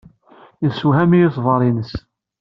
Yessewhem-iyi ṣṣber-nnes.